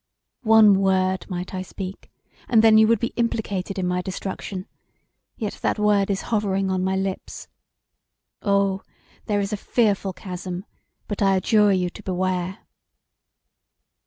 One word I might speak and then you would be implicated in my destruction; yet that word is hovering on my lips. Oh! There is a fearful chasm; but I adjure you to beware!"